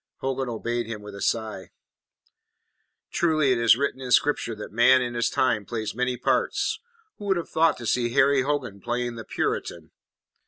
Hogan obeyed him with a sigh. "Truly it is written in Scripture that man in his time plays many parts. Who would have thought to see Harry Hogan playing the Puritan?"